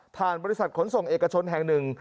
บริษัทขนส่งเอกชนแห่งหนึ่ง